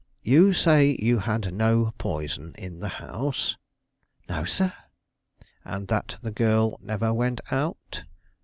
You say you had no poison in the house?" "No, sir." "And that the girl never went out?"